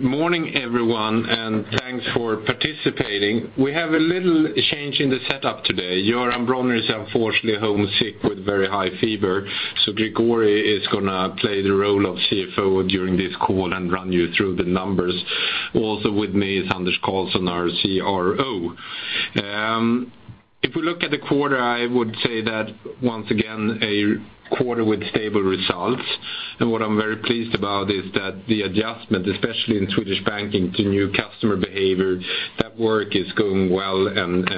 Good morning, everyone, and thanks for participating. We have a little change in the setup today. Göran Bronner is unfortunately home sick with very high fever, so Gregori is going to play the role of CFO during this call and run you through the numbers. Also with me is Anders Karlsson, our CRO. If we look at the quarter, I would say that once again, a quarter with stable results. And what I'm very pleased about is that the adjustment, especially in Swedish banking, to new customer behavior, that work is going well and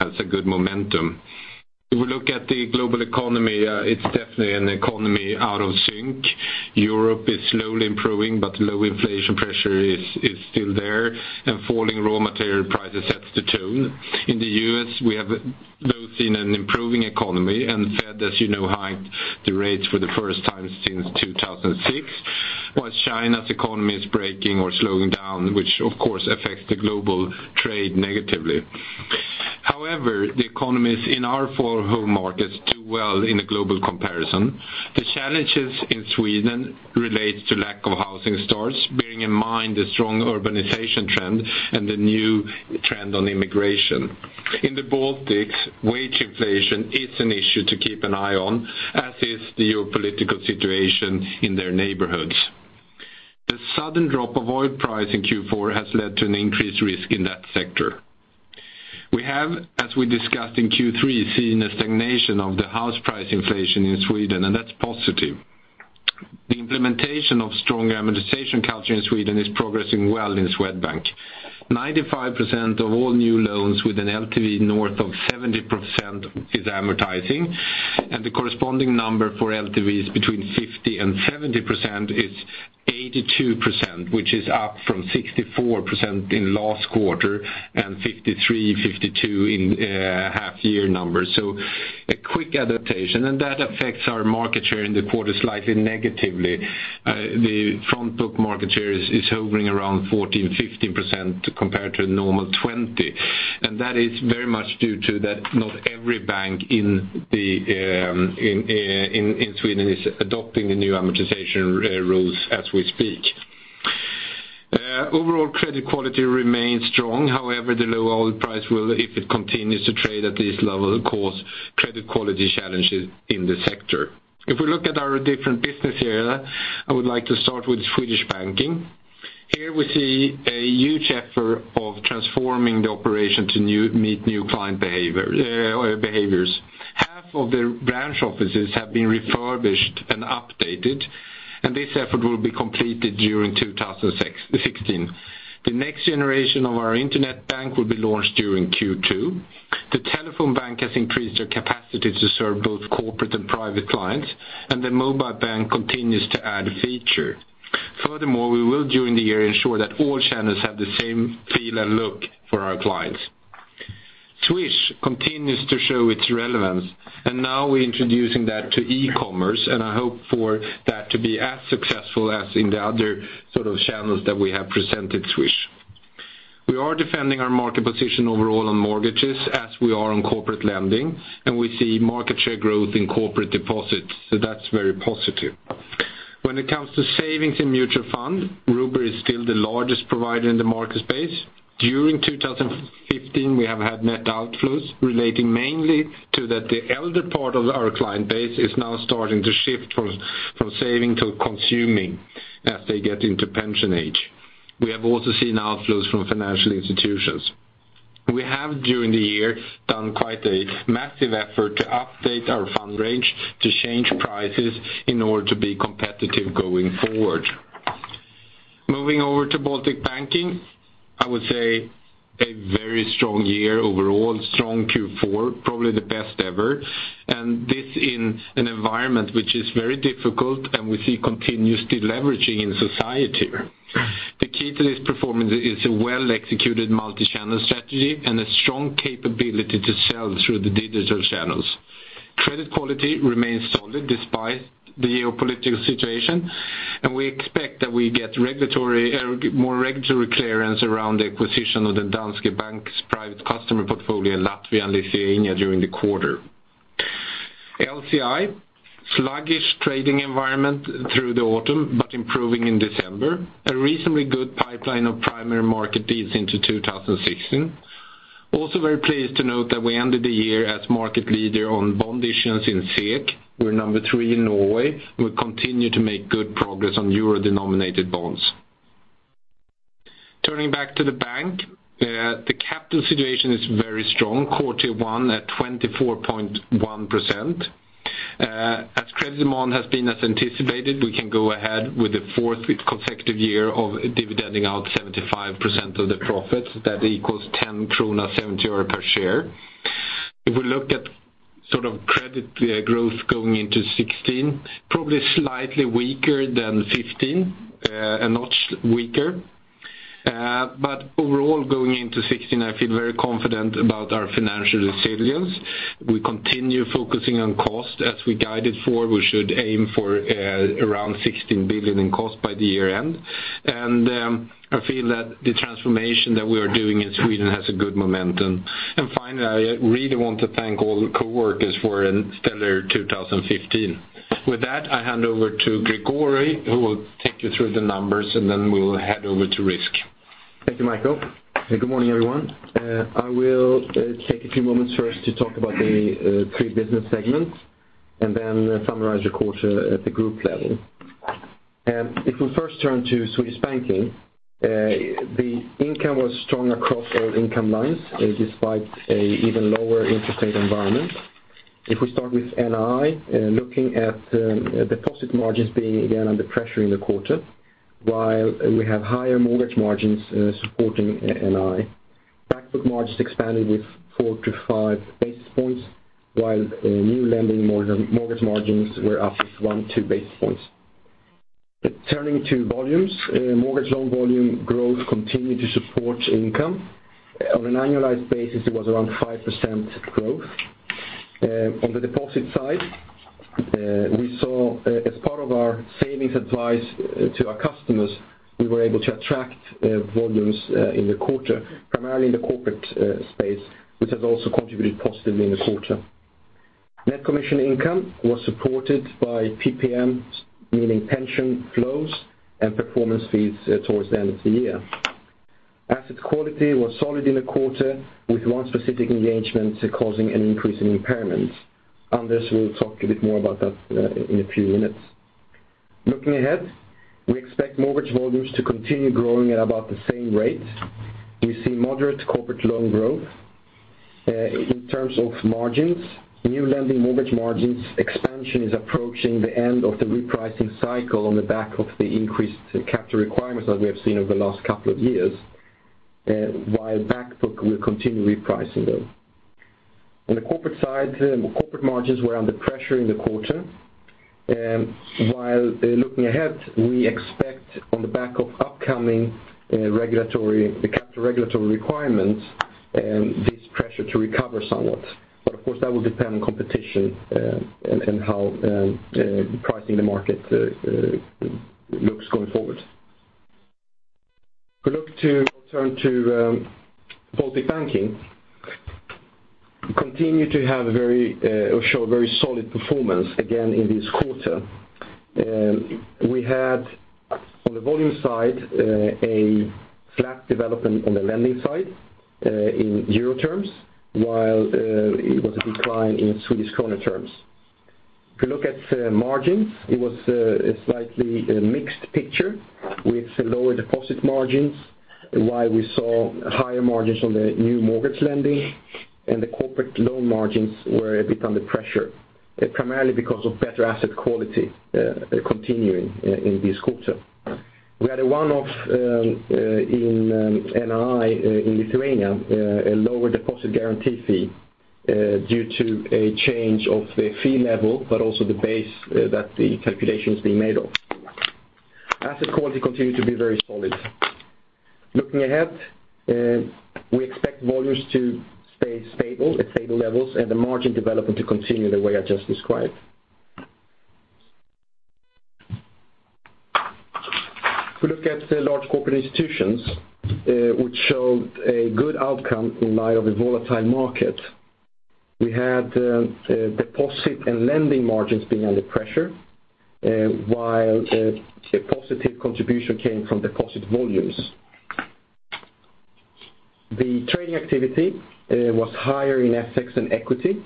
has a good momentum. If we look at the global economy, it's definitely an economy out of sync. Europe is slowly improving, but low inflation pressure is still there, and falling raw material prices sets the tone. In the U.S., we have both seen an improving economy, and Fed, as you know, hiked the rates for the first time since 2006. While China's economy is breaking or slowing down, which, of course, affects the global trade negatively. However, the economies in our four home markets do well in a global comparison. The challenges in Sweden relates to lack of housing starts, bearing in mind the strong urbanization trend and the new trend on immigration. In the Baltics, wage inflation is an issue to keep an eye on, as is the geopolitical situation in their neighborhoods. The sudden drop of oil price in Q4 has led to an increased risk in that sector. We have, as we discussed in Q3, seen a stagnation of the house price inflation in Sweden, and that's positive. The implementation of strong amortization culture in Sweden is progressing well in Swedbank. 95% of all new loans with an LTV north of 70% is amortizing, and the corresponding number for LTVs between 50% and 70% is 82%, which is up from 64% in last quarter and 53%, 52% in half year numbers. So a quick adaptation, and that affects our market share in the quarter slightly negatively. The front book market share is hovering around 14-15% compared to the normal 20%. And that is very much due to that not every bank in Sweden is adopting the new amortization rules as we speak. Overall credit quality remains strong. However, the low oil price will, if it continues to trade at this level, cause credit quality challenges in the sector. If we look at our different business area, I would like to start with Swedish banking. Here we see a huge effort of transforming the operation to meet new client behaviors. Half of the branch offices have been refurbished and updated, and this effort will be completed during 2016. The next generation of our internet bank will be launched during Q2. The telephone bank has increased their capacity to serve both corporate and private clients, and the mobile bank continues to add feature. Furthermore, we will, during the year, ensure that all channels have the same feel and look for our clients. Swish continues to show its relevance, and now we're introducing that to e-commerce, and I hope for that to be as successful as in the other sort of channels that we have presented Swish. We are defending our market position overall on mortgages as we are on corporate lending, and we see market share growth in corporate deposits, so that's very positive. When it comes to savings in mutual fund, Robur is still the largest provider in the market space. During 2015, we have had net outflows relating mainly to that the elder part of our client base is now starting to shift from saving to consuming as they get into pension age. We have also seen outflows from financial institutions. We have, during the year, done quite a massive effort to update our fund range, to change prices in order to be competitive going forward. Moving over to Baltic banking, I would say a very strong year overall, strong Q4, probably the best ever. This in an environment which is very difficult, and we see continuous deleveraging in society. The key to this performance is a well-executed multi-channel strategy and a strong capability to sell through the digital channels. Credit quality remains solid despite the geopolitical situation, and we expect that we get regulatory, more regulatory clearance around the acquisition of the Danske Bank's private customer portfolio in Latvia and Lithuania during the quarter. LCI, sluggish trading environment through the autumn, but improving in December. A reasonably good pipeline of primary market deals into 2016. Also very pleased to note that we ended the year as market leader on bond issuance in SEK. We're number three in Norway. We continue to make good progress on euro-denominated bonds. Turning back to the bank, the capital situation is very strong, Core Tier 1 at 24.1%. As credit demand has been as anticipated, we can go ahead with the fourth consecutive year of dividending out 75% of the profits. That equals 10.70 SEK per share. If we look at sort of credit growth going into 2016, probably slightly weaker than 2015, a notch weaker. But overall, going into 2016, I feel very confident about our financial resilience. We continue focusing on cost as we guided for. We should aim for around 16 billion in cost by the year end. I feel that the transformation that we are doing in Sweden has a good momentum. Finally, I really want to thank all the coworkers for a stellar 2015. With that, I hand over to Gregori, who will take you through the numbers, and then we will head over to risk.... Thank you, Michael, and good morning, everyone. I will take a few moments first to talk about the three business segments, and then summarize the quarter at the group level. If we first turn to Swedish Banking, the income was strong across all income lines, despite an even lower interest rate environment. If we start with NII, looking at the deposit margins being again under pressure in the quarter, while we have higher mortgage margins supporting NII. Backbook margins expanded with 4-5 basis points, while new lending mortgage margins were up with 1-2 basis points. But turning to volumes, mortgage loan volume growth continued to support income. On an annualized basis, it was around 5% growth. On the deposit side, we saw, as part of our savings advice to our customers, we were able to attract volumes in the quarter, primarily in the corporate space, which has also contributed positively in the quarter. Net commission income was supported by PPMs, meaning pension flows and performance fees, towards the end of the year. Asset quality was solid in the quarter, with one specific engagement causing an increase in impairments. Anders will talk a bit more about that, in a few minutes. Looking ahead, we expect mortgage volumes to continue growing at about the same rate. We see moderate corporate loan growth. In terms of margins, new lending mortgage margins expansion is approaching the end of the repricing cycle on the back of the increased capital requirements as we have seen over the last couple of years, while back book will continue repricing them. On the corporate side, corporate margins were under pressure in the quarter. While looking ahead, we expect on the back of upcoming regulatory, the capital regulatory requirements, this pressure to recover somewhat. But of course, that will depend on competition, and, and how pricing the market looks going forward. If we look to turn to Baltic banking, we continue to have a very, or show a very solid performance again in this quarter. We had, on the volume side, a flat development on the lending side, in euro terms, while it was a decline in Swedish krona terms. If you look at margins, it was a slightly mixed picture with lower deposit margins, while we saw higher margins on the new mortgage lending, and the corporate loan margins were a bit under pressure, primarily because of better asset quality, continuing in this quarter. We had a one-off in NII in Lithuania, a lower deposit guarantee fee, due to a change of the fee level, but also the base that the calculation is being made of. Asset quality continued to be very solid. Looking ahead, we expect volumes to stay stable, at stable levels, and the margin development to continue the way I just described. If we look at the large corporate institutions, which showed a good outcome in light of a volatile market. We had deposit and lending margins being under pressure, while a positive contribution came from deposit volumes. The trading activity was higher in FX and equity,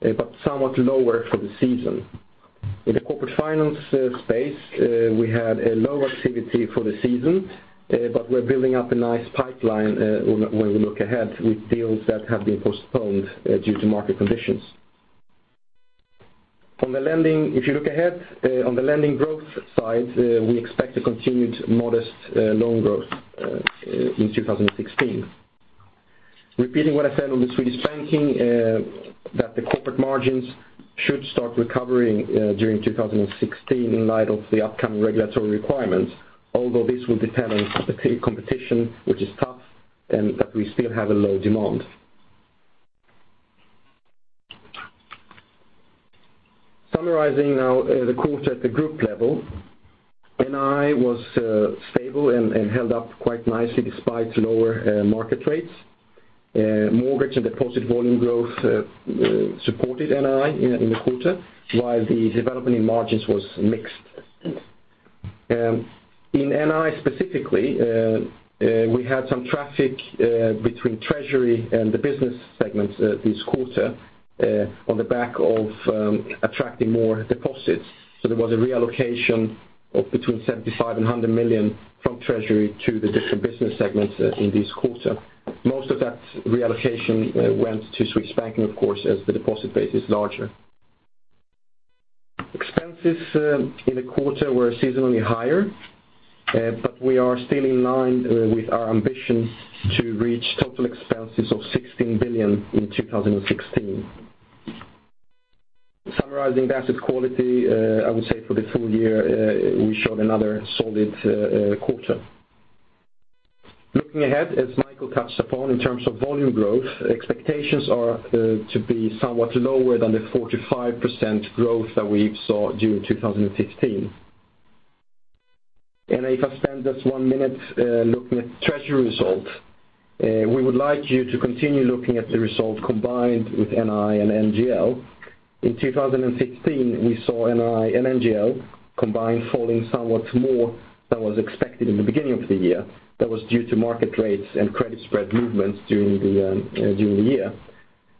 but somewhat lower for the season. In the corporate finance space, we had a low activity for the season, but we're building up a nice pipeline when we look ahead with deals that have been postponed due to market conditions. On the lending, if you look ahead, on the lending growth side, we expect a continued modest loan growth in 2016. Repeating what I said on the Swedish banking, that the corporate margins should start recovering during 2016 in light of the upcoming regulatory requirements, although this will depend on competition, which is tough, and that we still have a low demand. Summarizing now, the quarter at the group level, NII was stable and held up quite nicely despite lower market rates. Mortgage and deposit volume growth supported NII in the quarter, while the development in margins was mixed. In NII, specifically, we had some traffic between treasury and the business segments this quarter, on the back of attracting more deposits. So there was a reallocation of between 75 million and 100 million from treasury to the different business segments in this quarter. Most of that reallocation went to Swedish banking, of course, as the deposit base is larger. Expenses in the quarter were seasonally higher, but we are still in line with our ambition to reach total expenses of 16 billion in 2016. Summarizing the asset quality, I would say for the full year, we showed another solid quarter. Looking ahead, as Michael touched upon in terms of volume growth, expectations are to be somewhat lower than the 4%-5% growth that we've saw during 2015. And if I spend just one minute looking at treasury result, we would like you to continue looking at the result combined with NII and NGL. In 2015, we saw NII and NGL combined falling somewhat more than was expected in the beginning of the year. That was due to market rates and credit spread movements during the year.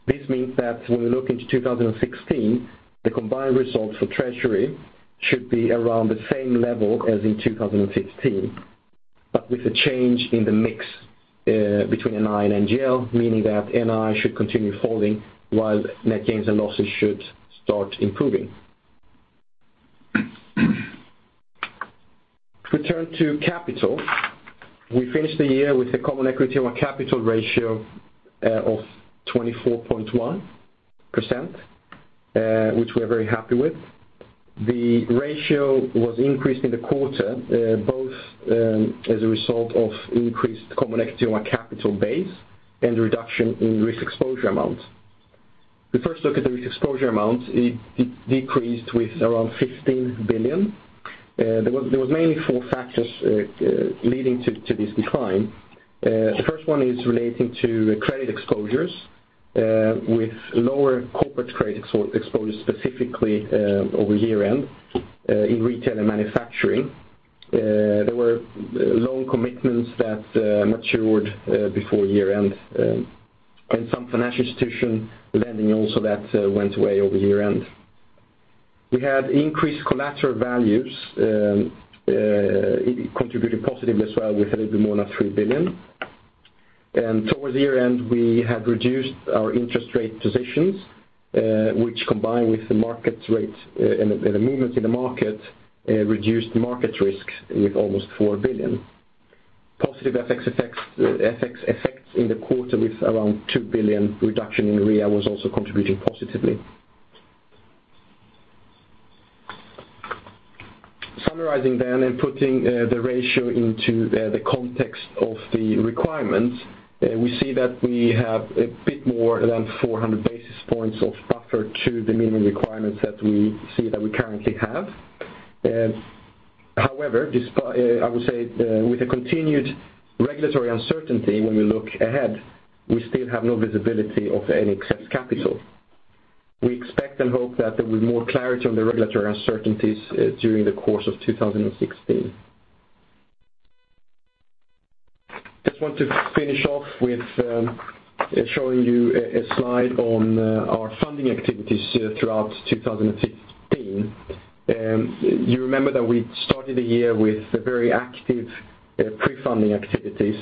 This means that when we look into 2016, the combined results for treasury should be around the same level as in 2015. But with a change in the mix, between NII and NGL, meaning that NII should continue falling, while net gains and losses should start improving. If we turn to capital, we finished the year with a common equity on our capital ratio, of 24.1%, which we are very happy with. The ratio was increased in the quarter, both as a result of increased common equity on our capital base and the reduction in risk exposure amounts. We first look at the risk exposure amounts. It decreased with around 15 billion. There was mainly four factors leading to this decline. The first one is relating to credit exposures, with lower corporate credit exposure, specifically over year-end, in retail and manufacturing. There were loan commitments that matured before year-end, and some financial institution lending also that went away over year-end. We had increased collateral values. It contributed positively as well, with a little bit more than 3 billion. Towards the year-end, we had reduced our interest rate positions, which combined with the market rate and the movement in the market, reduced market risk with almost 4 billion. Positive FX effects in the quarter with around 2 billion reduction in REA was also contributing positively. Summarizing then, and putting the ratio into the context of the requirements, we see that we have a bit more than 400 basis points of buffer to the minimum requirements that we see that we currently have. However, despite, I would say, with the continued regulatory uncertainty, when we look ahead, we still have no visibility of any excess capital. We expect and hope that there will be more clarity on the regulatory uncertainties during the course of 2016. Just want to finish off with showing you a slide on our funding activities throughout 2015. You remember that we started the year with a very active pre-funding activities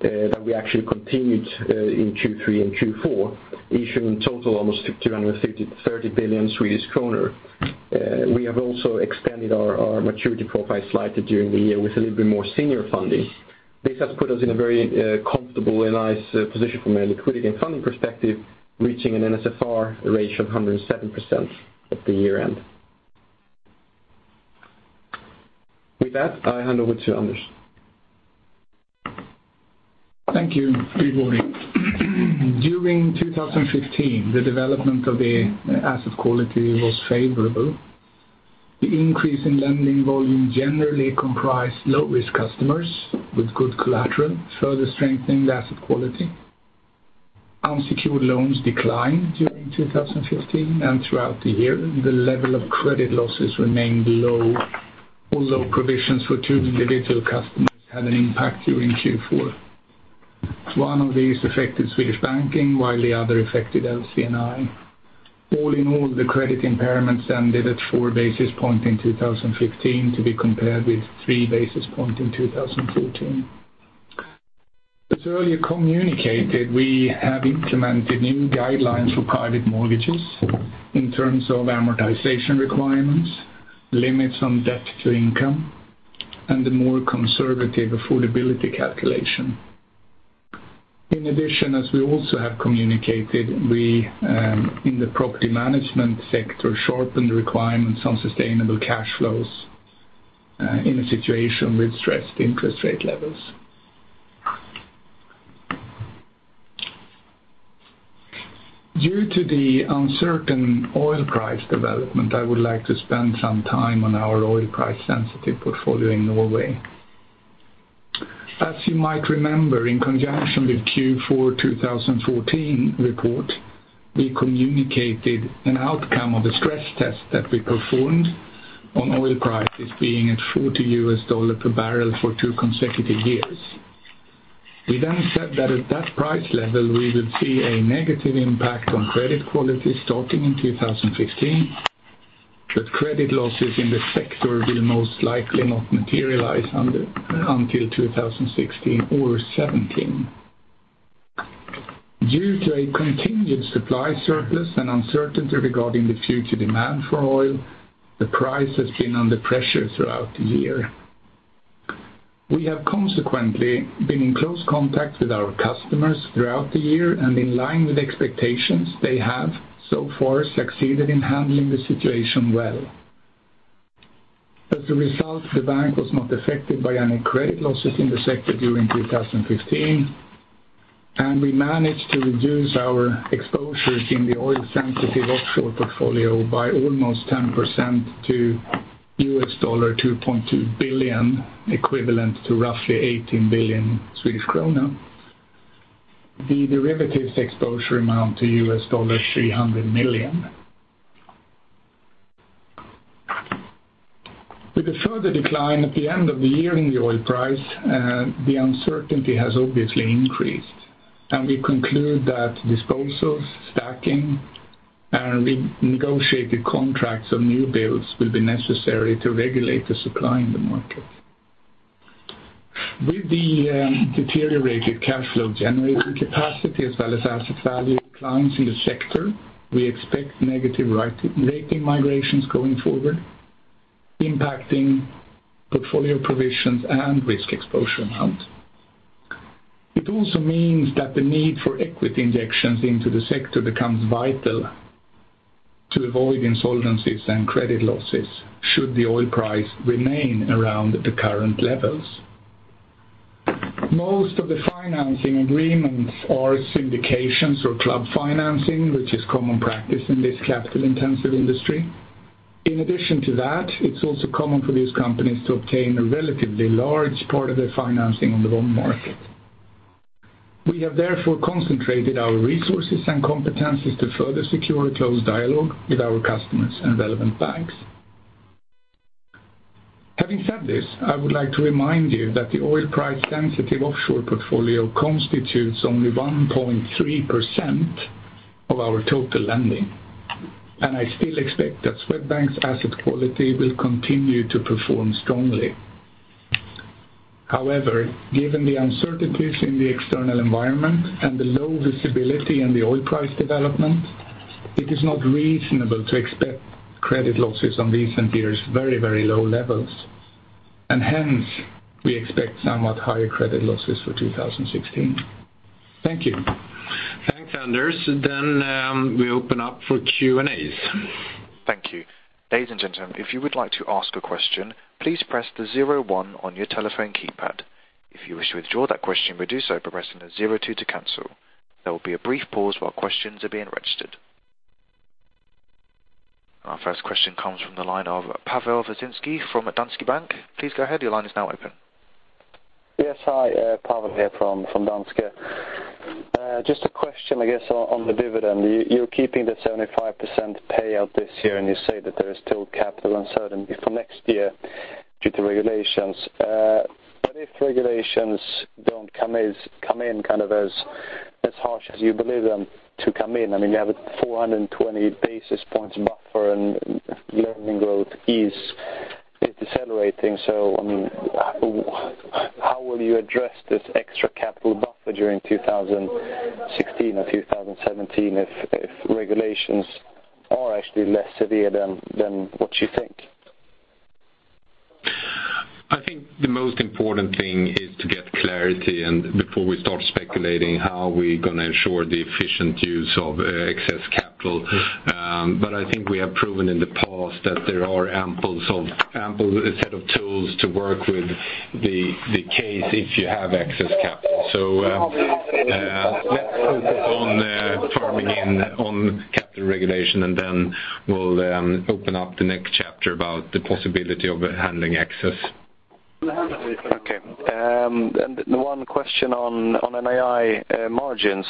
that we actually continued in Q3 and Q4, issuing in total almost 253 billion Swedish kronor. We have also expanded our maturity profile slightly during the year with a little bit more senior funding. This has put us in a very comfortable and nice position from a liquidity and funding perspective, reaching an NSFR ratio of 107% at the year-end. With that, I hand over to Anders. Thank you, Birger. During 2015, the development of the asset quality was favorable. The increase in lending volume generally comprised low-risk customers with good collateral, further strengthening the asset quality. Unsecured loans declined during 2015, and throughout the year, the level of credit losses remained low, although provisions for two individual customers had an impact during Q4. One of these affected Swedish banking, while the other affected LC&I. All in all, the credit impairments ended at 4 basis points in 2015, to be compared with 3 basis points in 2014. As earlier communicated, we have implemented new guidelines for private mortgages in terms of amortization requirements, limits on debt to income, and a more conservative affordability calculation. In addition, as we also have communicated, we in the property management sector, sharpened the requirements on sustainable cash flows, in a situation with stressed interest rate levels. Due to the uncertain oil price development, I would like to spend some time on our oil price sensitive portfolio in Norway. As you might remember, in conjunction with Q4 2014 report, we communicated an outcome of the stress test that we performed on oil prices being at $40 per barrel for two consecutive years. We then said that at that price level, we would see a negative impact on credit quality starting in 2015, but credit losses in the sector will most likely not materialize until 2016 or 2017. Due to a continued supply surplus and uncertainty regarding the future demand for oil, the price has been under pressure throughout the year. We have consequently been in close contact with our customers throughout the year, and in line with expectations, they have so far succeeded in handling the situation well. As a result, the bank was not affected by any credit losses in the sector during 2015, and we managed to reduce our exposures in the oil-sensitive offshore portfolio by almost 10% to $2.2 billion, equivalent to roughly 18 billion Swedish krona. The derivatives exposure amount to $300 million. With a further decline at the end of the year in the oil price, the uncertainty has obviously increased, and we conclude that disposals, stacking, and re-negotiated contracts on new builds will be necessary to regulate the supply in the market. With the deteriorated cash flow generating capacity as well as asset value declines in the sector, we expect negative right-rating migrations going forward, impacting portfolio provisions and risk exposure amount. It also means that the need for equity injections into the sector becomes vital to avoid insolvencies and credit losses, should the oil price remain around the current levels. Most of the financing agreements are syndications or club financing, which is common practice in this capital-intensive industry. In addition to that, it's also common for these companies to obtain a relatively large part of their financing on the loan market. We have therefore concentrated our resources and competencies to further secure a close dialogue with our customers and relevant banks. Having said this, I would like to remind you that the oil price sensitive offshore portfolio constitutes only 1.3% of our total lending, and I still expect that Swedbank's asset quality will continue to perform strongly. However, given the uncertainties in the external environment and the low visibility in the oil price development, it is not reasonable to expect credit losses on recent years' very, very low levels, and hence, we expect somewhat higher credit losses for 2016. Thank you. Thanks, Anders. Then, we open up for Q&A's. Thank you. Ladies and gentlemen, if you would like to ask a question, please press the zero one on your telephone keypad. If you wish to withdraw that question, do so by pressing the zero two to cancel. There will be a brief pause while questions are being registered. Our first question comes from the line of Pawel Dziedzic from Danske Bank. Please go ahead, your line is now open. Yes. Hi, Pawel here from Danske. Just a question, I guess, on the dividend. You're keeping the 75% payout this year, and you say that there is still capital uncertainty for next year due to regulations. But if regulations don't come in kind of as harsh as you believe them to come in, I mean, you have a 420 basis points buffer and lending growth is decelerating. So, I mean, how will you address this extra capital buffer during 2016 or 2017 if regulations are actually less severe than what you think? I think the most important thing is to get clarity, and before we start speculating, how are we gonna ensure the efficient use of excess capital? But I think we have proven in the past that there are ample set of tools to work with the case if you have excess capital. So, let's focus on firming in on capital regulation, and then we'll open up the next chapter about the possibility of handling excess. Okay. And one question on, on NII, margins.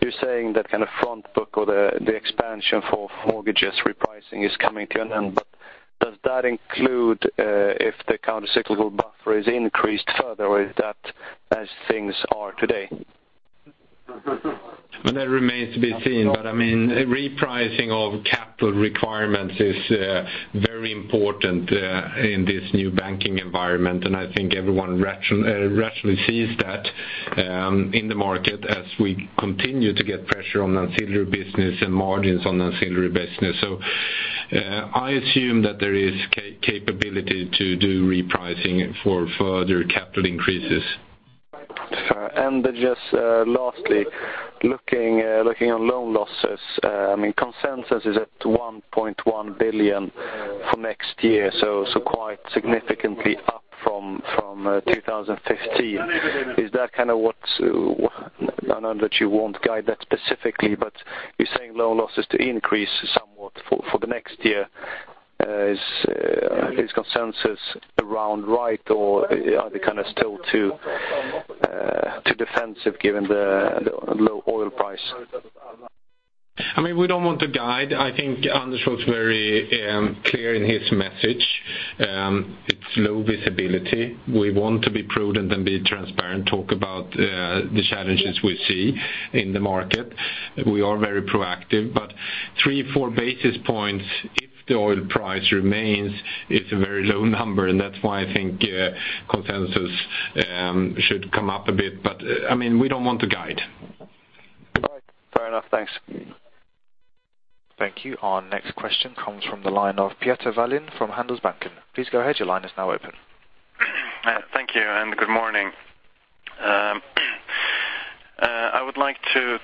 You're saying that kind of front book or the, the expansion for mortgages repricing is coming to an end. Does that include, if the countercyclical buffer is increased further, or is that as things are today? Well, that remains to be seen. But, I mean, repricing of capital requirements is very important in this new banking environment, and I think everyone rationally sees that in the market as we continue to get pressure on ancillary business and margins on ancillary business. So, I assume that there is capability to do repricing for further capital increases. And just lastly, looking on loan losses, I mean, consensus is at 1.1 billion for next year, so quite significantly up from 2015. Is that kind of what... I know that you won't guide that specifically, but you're saying loan losses to increase somewhat for the next year. Is consensus around right, or are they kind of still too defensive given the low oil price? I mean, we don't want to guide. I think Anders was very clear in his message. It's low visibility. We want to be prudent and be transparent, talk about the challenges we see in the market. We are very proactive, but 3-4 basis points, if the oil price remains, it's a very low number, and that's why I think consensus should come up a bit. But, I mean, we don't want to guide. All right. Fair enough. Thanks. Thank you. Our next question comes from the line of Peter Kessiakoff from Carnegie. Please go ahead, your line is now open. Thank you, and good morning. I would like to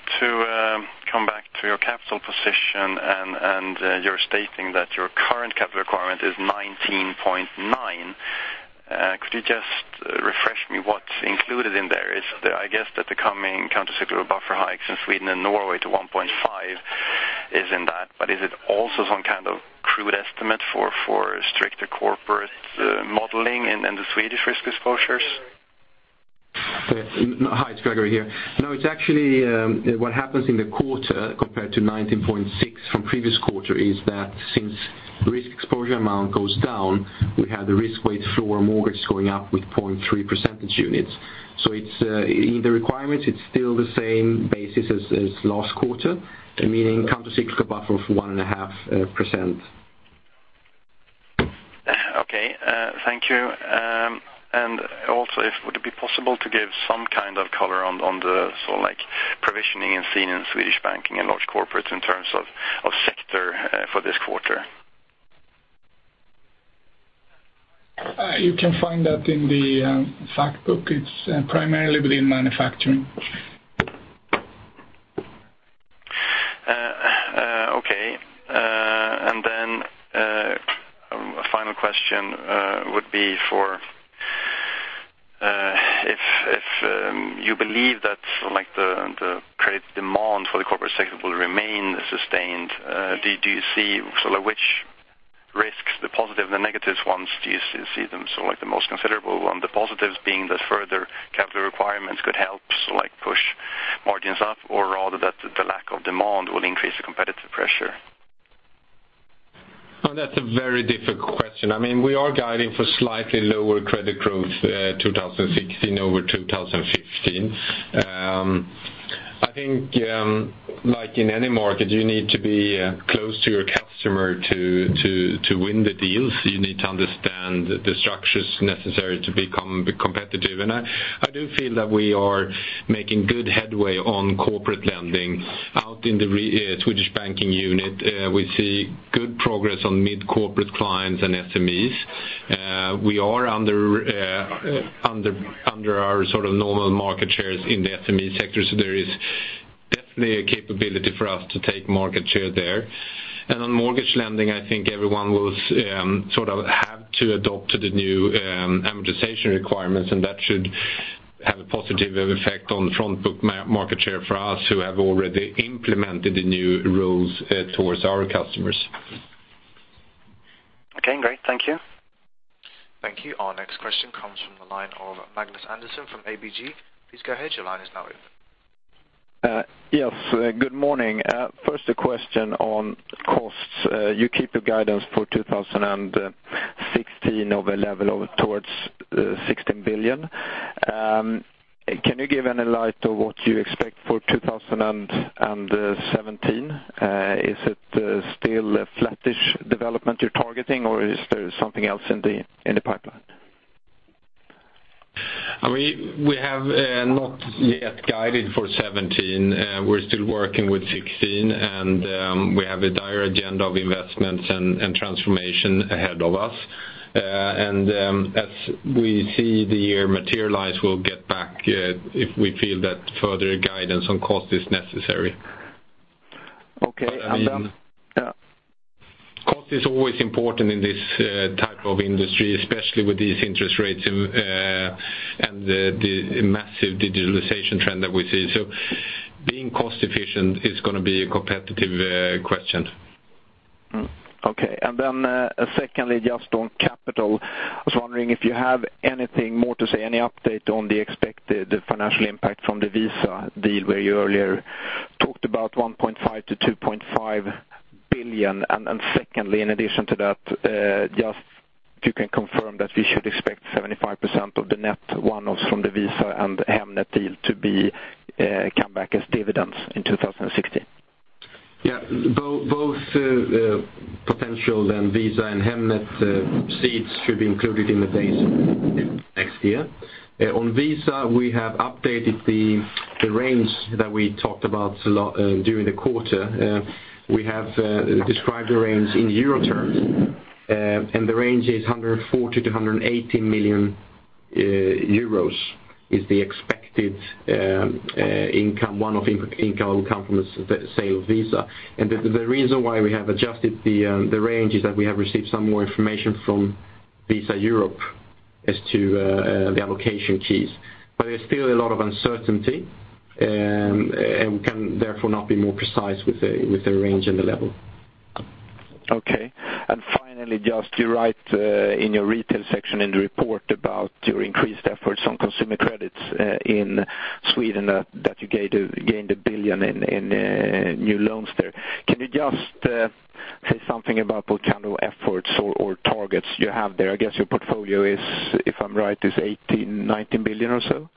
come back to your capital position, and you're stating that your current capital requirement is 19.9.... Could you just refresh me what's included in there? Is the, I guess, that the coming countercyclical buffer hikes in Sweden and Norway to 1.5 is in that, but is it also some kind of crude estimate for stricter corporate modeling in the Swedish risk exposures? Hi, it's Gregori here. No, it's actually what happens in the quarter compared to 19.6 from previous quarter is that since risk exposure amount goes down, we have the risk weight floor mortgage going up with 0.3 percentage units. So it's in the requirements, it's still the same basis as last quarter, meaning countercyclical buffer of 1.5%. Okay, thank you. And also, if would it be possible to give some kind of color on the, like, provisioning and seen in Swedish banking and large corporates in terms of sector for this quarter? You can find that in the fact book. It's primarily within manufacturing. Okay. And then, a final question, would be for, if you believe that, like, the credit demand for the corporate sector will remain sustained, do you see sort of which risks, the positive and the negatives ones, do you see them sort of like the most considerable one? The positives being that further capital requirements could help, so like push margins up, or rather that the lack of demand will increase the competitive pressure. Well, that's a very difficult question. I mean, we are guiding for slightly lower credit growth, 2016 over 2015. I think, like in any market, you need to be close to your customer to win the deals. You need to understand the structures necessary to become competitive. I do feel that we are making good headway on corporate lending. Out in the Swedish banking unit, we see good progress on mid-corporate clients and SMEs. We are under our sort of normal market shares in the SME sector, so there is definitely a capability for us to take market share there. On mortgage lending, I think everyone will sort of have to adapt to the new amortization requirements, and that should have a positive effect on front book market share for us, who have already implemented the new rules, towards our customers. Okay, great. Thank you. Thank you. Our next question comes from the line of Magnus Andersson from ABG. Please go ahead. Your line is now open. Yes, good morning. First, a question on costs. You keep your guidance for 2016 of a level of towards 16 billion. Can you give any light on what you expect for 2017? Is it still a flattish development you're targeting, or is there something else in the pipeline? I mean, we have not yet guided for 2017. We're still working with 2016, and we have a dire agenda of investments and transformation ahead of us. As we see the year materialize, we'll get back if we feel that further guidance on cost is necessary. Okay, and, yeah. Cost is always important in this type of industry, especially with these interest rates and the massive digitalization trend that we see. So being cost efficient is going to be a competitive question. Mm-hmm. Okay. And then, secondly, just on capital, I was wondering if you have anything more to say, any update on the expected financial impact from the Visa deal, where you earlier talked about 1.5 billion-2.5 billion. And, and secondly, in addition to that, just if you can confirm that we should expect 75% of the net one-offs from the Visa and Hemnet deal to be, come back as dividends in 2016. Yeah, both potential proceeds from Visa and Hemnet should be included in the base next year. On Visa, we have updated the range that we talked about a lot during the quarter. We have described the range in euro terms, and the range is 140 million-180 million euros, is the expected income, one-off income will come from the sale of Visa. And the reason why we have adjusted the range is that we have received some more information from Visa Europe as to the allocation keys. But there's still a lot of uncertainty, and we can therefore not be more precise with the range and the level. Okay. And finally, just you write in your retail section in the report about your increased efforts on consumer credits in Sweden that you gained 1 billion in new loans there. Can you just say something about what kind of efforts or targets you have there? I guess your portfolio is, if I'm right, 18 billion-19 billion or so.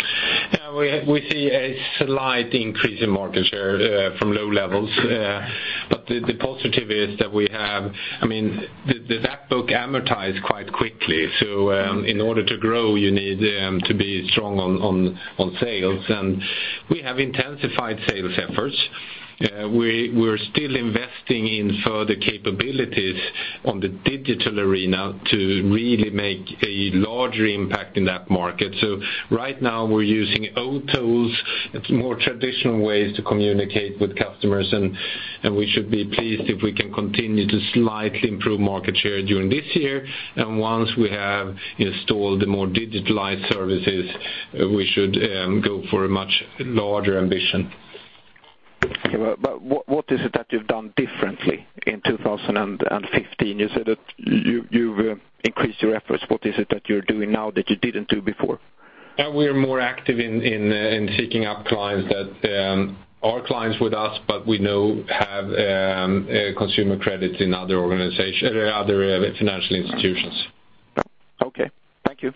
Yeah, we see a slight increase in market share from low levels. But the positive is that we have... I mean, the back book amortized quite quickly, so in order to grow, you need to be strong on sales. We have intensified sales efforts. We're still investing in further capabilities on the digital arena to really make a larger impact in that market. So right now we're using old tools; it's more traditional ways to communicate with customers, and we should be pleased if we can continue to slightly improve market share during this year. And once we have installed the more digitalized services, we should go for a much larger ambition. Okay, but, but what, what is it that you've done differently in 2015? You said that you've, you've, increased your efforts. What is it that you're doing now that you didn't do before? We are more active in seeking out clients that are clients with us, but we know have consumer credits in other organizations or other financial institutions. Okay, thank you.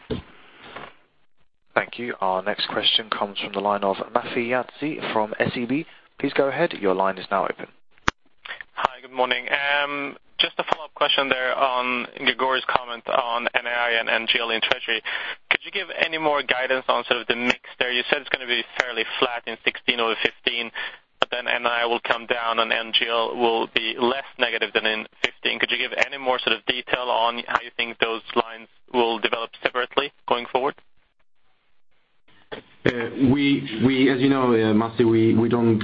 Thank you. Our next question comes from the line of Masih Yazdi from SEB. Please go ahead, your line is now open. Hi, good morning. Just a follow-up question there on Gregori's comment on NII and NGL in treasury. Could you give any more guidance on sort of the mix there? You said it's gonna be fairly flat in 2016 over 2015, but then NII will come down, and NGL will be less negative than in 2015. Could you give any more sort of detail on how you think those lines will develop separately going forward? We, as you know, Masih, we don't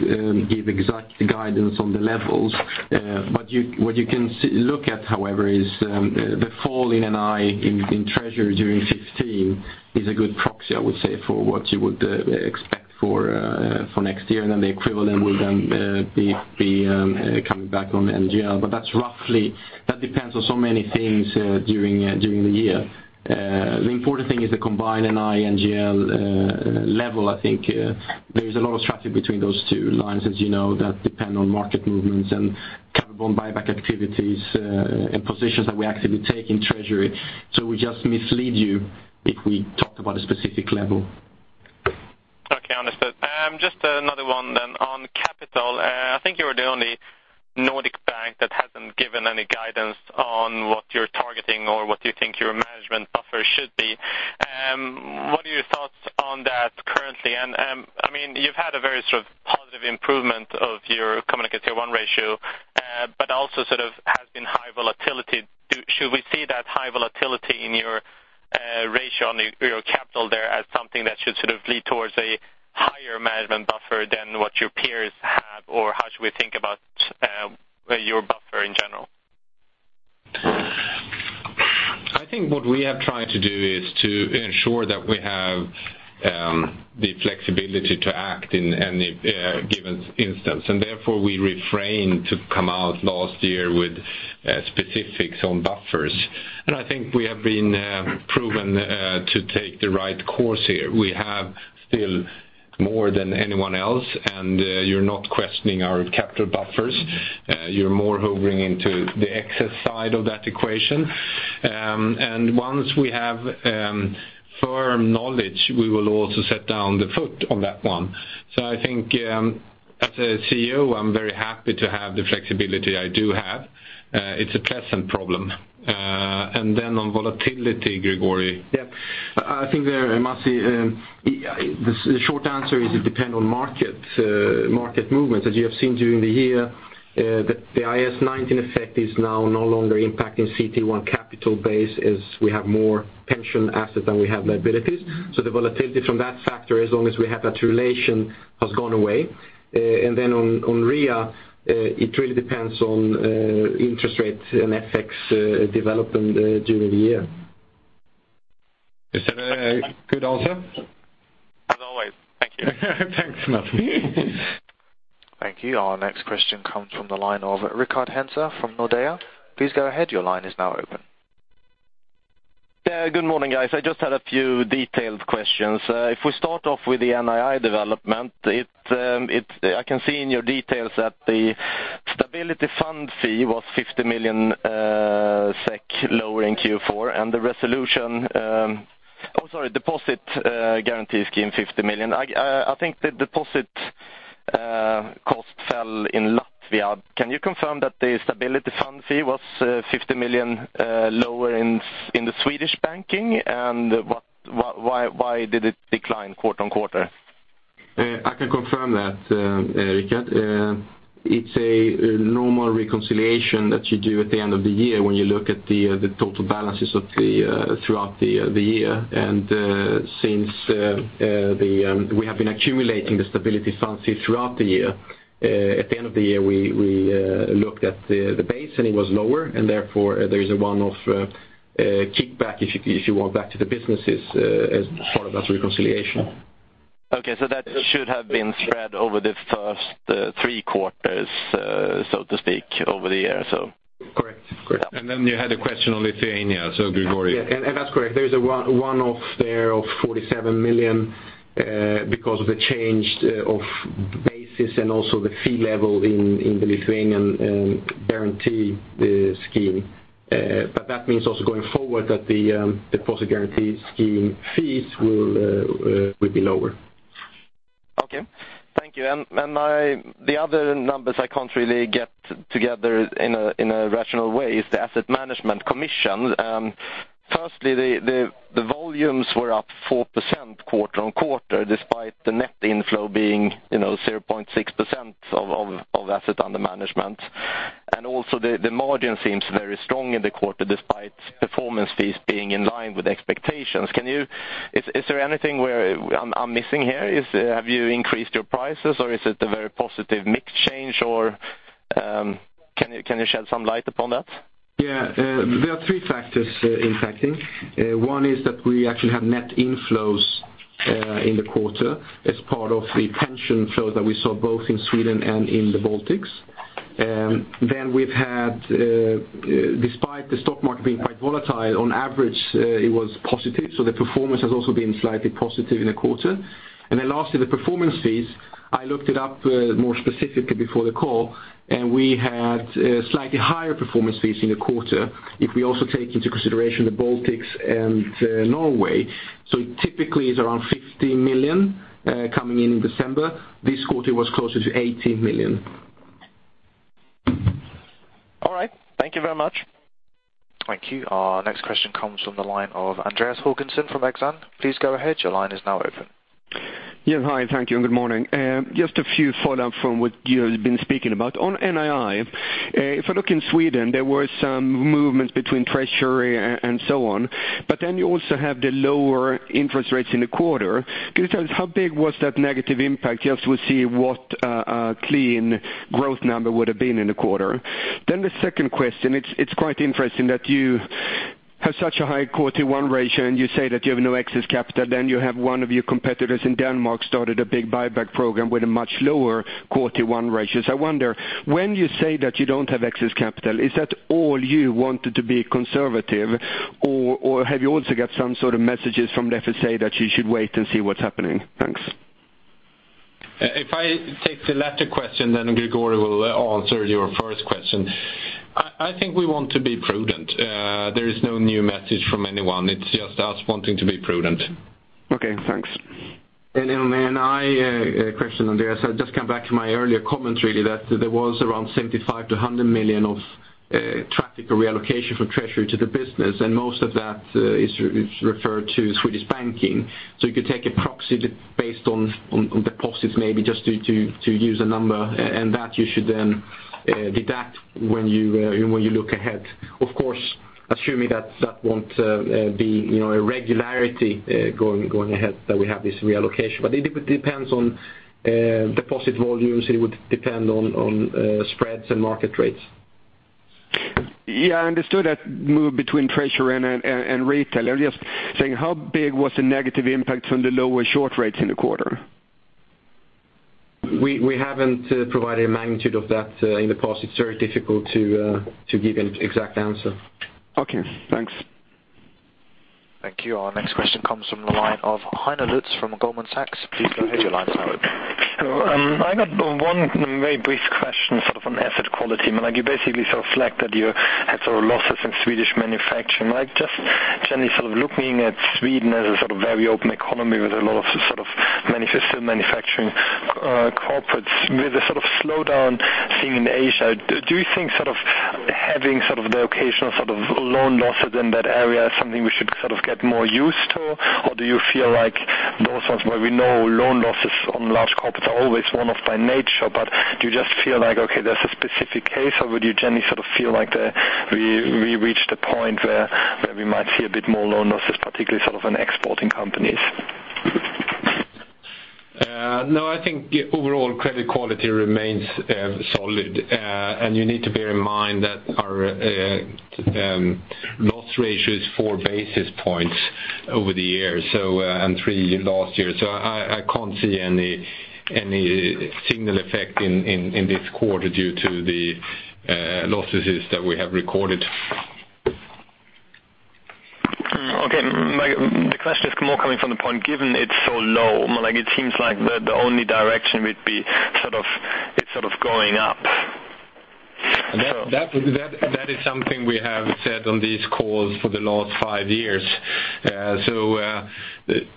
give exact guidance on the levels. But you, what you can look at, however, is the fall in NII in treasury during 2015 is a good proxy, I would say, for what you would expect for next year. Then the equivalent will be coming back on NGL. But that's roughly - that depends on so many things during the year. The important thing is the combined NII, NGL level. I think there is a lot of strategy between those two lines, as you know, that depend on market movements and carbon buyback activities and positions that we actively take in treasury. So we just mislead you if we talked about a specific level. Okay, understood. Just another one then on capital. I think you are the only Nordic bank that hasn't given any guidance on what you're targeting or what you think your management buffer should be. What are your thoughts on that currently? And, I mean, you've had a very sort of positive improvement of your Common Equity Tier 1 ratio, but also sort of has been high volatility. Should we see that high volatility in your ratio on your capital there as something that should sort of lead towards a higher management buffer than what your peers have? Or how should we think about your buffer in general? I think what we have tried to do is to ensure that we have the flexibility to act in any given instance, and therefore we refrained to come out last year with specifics on buffers. I think we have been proven to take the right course here. We have still more than anyone else, and you're not questioning our capital buffers. You're more hovering into the excess side of that equation. And once we have firm knowledge, we will also set down the foot on that one. So I think as a CEO, I'm very happy to have the flexibility I do have. It's a pleasant problem. And then on volatility, Gregori? Yeah. I think there, Masih, the short answer is it depend on market market movements. As you have seen during the year, the IAS 19 effect is now no longer impacting CET1 capital base, as we have more pension assets than we have liabilities. So the volatility from that factor, as long as we have that relation, has gone away. And then on RWA, it really depends on interest rates and FX development during the year. Is that a good answer? As always. Thank you. Thanks, Masih. Thank you. Our next question comes from the line of Rickard Henze from Nordea. Please go ahead, your line is now open. Yeah, good morning, guys. I just had a few detailed questions. If we start off with the NII development, it, I can see in your details that the stability fund fee was 50 million SEK lower in Q4, and the resolution... Oh, sorry, deposit guarantee scheme, 50 million. I think the deposit cost fell in Latvia. Can you confirm that the stability fund fee was 50 million lower in the Swedish banking? And why did it decline quarter-over-quarter? I can confirm that, Rickard. It's a normal reconciliation that you do at the end of the year when you look at the total balances throughout the year. And since we have been accumulating the stability fund fee throughout the year, at the end of the year, we looked at the base, and it was lower, and therefore there is a one-off kickback, if you want, back to the businesses, as part of that reconciliation. Okay, so that should have been spread over the first three quarters, so to speak, over the years or so? Correct. Correct. And then you had a question on Lithuania, so Gregori. Yeah, and, and that's correct. There is a one-off there of 47 million because of the change of basis and also the fee level in the Lithuanian guarantee scheme. But that means also going forward, that the deposit guarantee scheme fees will be lower. Okay. Thank you. The other numbers I can't really get together in a rational way is the asset management commission. Firstly, the volumes were up 4% quarter-over-quarter, despite the net inflow being, you know, 0.6% of assets under management. And also the margin seems very strong in the quarter, despite performance fees being in line with expectations. Can you, is there anything where I'm missing here? Have you increased your prices or is it a very positive mix change or can you shed some light upon that? Yeah, there are three factors impacting. One is that we actually have net inflows in the quarter as part of the pension flow that we saw both in Sweden and in the Baltics. Then we've had, despite the stock market being quite volatile, on average, it was positive, so the performance has also been slightly positive in the quarter. And then lastly, the performance fees. I looked it up more specifically before the call, and we had slightly higher performance fees in the quarter if we also take into consideration the Baltics and Norway. So typically it's around 50 million coming in in December. This quarter, it was closer to 80 million. All right. Thank you very much. Thank you. Our next question comes from the line of Andreas Håkansson from Exane. Please go ahead. Your line is now open. Yes. Hi, and thank you, and good morning. Just a few follow-up from what you have been speaking about. On NII, if I look in Sweden, there were some movements between treasury and, and so on, but then you also have the lower interest rates in the quarter. Can you tell us how big was that negative impact, just to see what a clean growth number would have been in the quarter? Then the second question, it's quite interesting that you have such a high quarter one ratio, and you say that you have no excess capital. Then you have one of your competitors in Denmark started a big buyback program with a much lower quarter one ratio. So I wonder, when you say that you don't have excess capital, is that all you wanted to be conservative, or, or have you also got some sort of messages from the FSA that you should wait and see what's happening? Thanks. If I take the latter question, then Gregori will answer your first question. I think we want to be prudent. There is no new message from anyone. It's just us wanting to be prudent. Okay, thanks. On the NII question, Andreas, I'll just come back to my earlier comment, really, that there was around 75 million-100 million of traffic reallocation from treasury to the business, and most of that is referred to Swedish banking. So you could take a proxy based on deposits, maybe just to use a number, and that you should then when you look ahead. Of course, assuming that that won't be, you know, a regularity going ahead, that we have this reallocation. But it depends on deposit volumes, it would depend on spreads and market rates. Yeah, I understood that move between treasury and retail. I'm just saying, how big was the negative impact from the lower short rates in the quarter? We haven't provided a magnitude of that in the past. It's very difficult to give an exact answer. Okay, thanks. Thank you. Our next question comes from the line of Heiner Luz from Goldman Sachs. Please go ahead, your line is now open. I got one very brief question, sort of on asset quality. Like, you basically sort of flagged that you had sort of losses in Swedish manufacturing. Like, just generally sort of looking at Sweden as a sort of very open economy with a lot of sort of manufacturing, corporates, with the sort of slowdown seen in Asia, do you think sort of having sort of the occasional sort of loan losses in that area is something we should sort of get more used to? Or do you feel like those ones where we know loan losses on large corporates are always one-off by nature, but do you just feel like, okay, that's a specific case, or would you generally sort of feel like we reached a point where we might see a bit more loan losses, particularly sort of in exporting companies? No, I think overall credit quality remains solid. And you need to bear in mind that our loss ratio is four basis points over the year, so, and three last year. So I can't see any signal effect in this quarter due to the losses that we have recorded. The question is more coming from the point, given it's so low, more like it seems like the, the only direction would be sort of, it's sort of going up. So- That is something we have said on these calls for the last five years. So,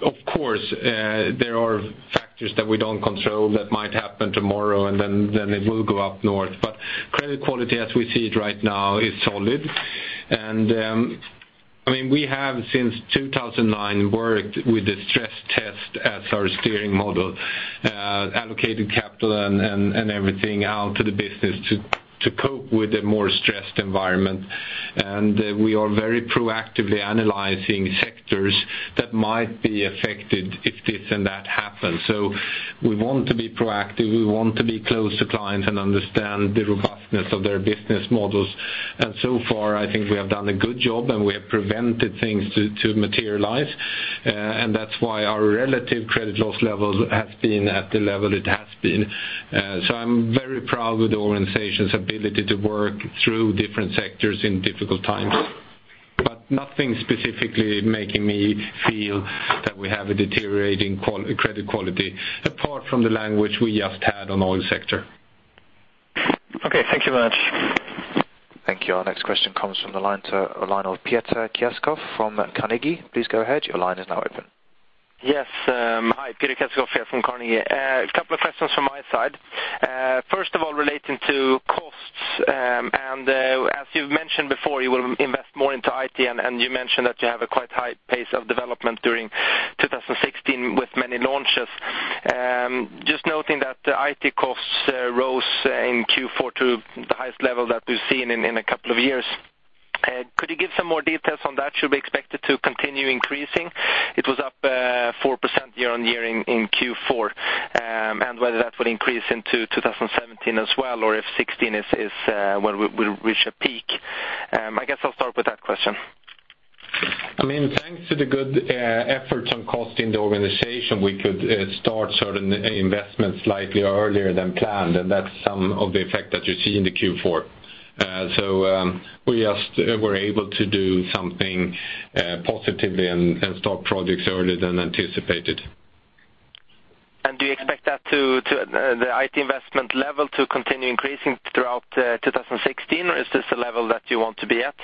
of course, there are factors that we don't control that might happen tomorrow, and then it will go up north. But credit quality, as we see it right now, is solid. And, I mean, we have, since 2009, worked with the stress test as our steering model, allocated capital and everything out to the business to cope with a more stressed environment. And, we are very proactively analyzing sectors that might be affected if this and that happens. So we want to be proactive, we want to be close to clients and understand the robustness of their business models. And so far, I think we have done a good job, and we have prevented things to materialize. And that's why our relative credit loss level has been at the level it has been. So I'm very proud with the organization's ability to work through different sectors in difficult times. But nothing specifically making me feel that we have a deteriorating credit quality, apart from the language we just had on oil sector. Okay, thank you much. Thank you. Our next question comes from the line of Peter Kessiakoff from Carnegie. Please go ahead. Your line is now open. ... Yes, hi, Peter Kessiakoff here from Carnegie. A couple of questions from my side. First of all, relating to costs, as you've mentioned before, you will invest more into IT, and you mentioned that you have a quite high pace of development during 2016 with many launches. Just noting that the IT costs rose in Q4 to the highest level that we've seen in a couple of years. Could you give some more details on that? Should we expect it to continue increasing? It was up 4% year-on-year in Q4, and whether that would increase into 2017 as well, or if 2016 is where we reach a peak? I guess I'll start with that question. I mean, thanks to the good efforts on cost in the organization, we could start certain investments slightly earlier than planned, and that's some of the effect that you see in the Q4. So, we just were able to do something positively and start projects earlier than anticipated. Do you expect that the IT investment level to continue increasing throughout 2016, or is this the level that you want to be at?